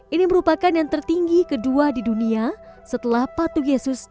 ini merupakan yang tertinggi kedua di dunia setelah patu yesus